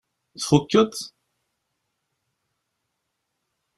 Tfukkeḍ?